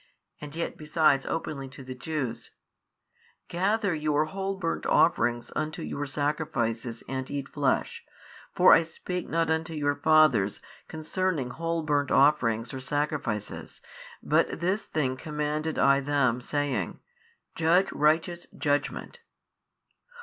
and yet besides openly to the Jews, Gather your whole burnt offerings unto your sacrifices and eat flesh, for I spake not unto your fathers concerning whole burnt offerings or |625 sacrifices, but this thing commanded I them saying, Judge righteous judgment.